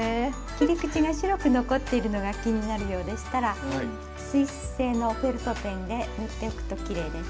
切り口が白く残っているのが気になるようでしたら水性のフェルトペンで塗っておくときれいです。